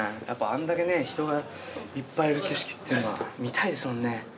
やっぱあんだけね人がいっぱいいる景色っていうのは見たいですもんね